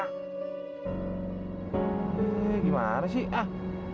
eh gimana sih